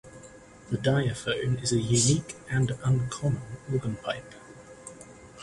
The diaphone is a unique and uncommon organ pipe.